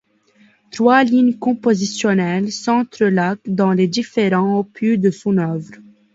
Trois lignes compositionelles s'entrelacent dans les différents opus de son œuvre.